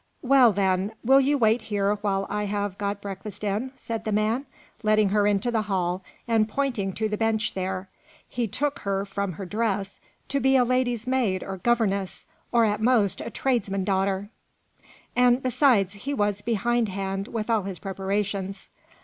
"Well, then; will you wait here till I have got breakfast in?" said the man, letting her into the hall, and pointing to the bench there, he took her, from her dress, to be a lady's maid or governess, or at most a tradesman's daughter; and, besides, he was behindhand with all his preparations.